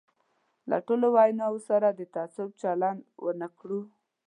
له ټولو ویناوو سره د تعصب چلند ونه کړو.